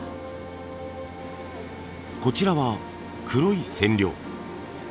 こちらは黒い染料。